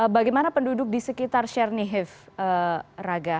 bagaimana penduduk di sekitar sherni hiv raga